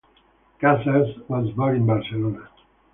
Casas was born in Barcelona.